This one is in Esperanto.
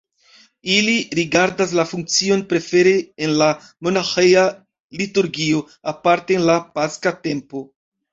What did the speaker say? Ili rigardas la funkcion prefere en la monaĥeja liturgio, aparte en la paska tempo.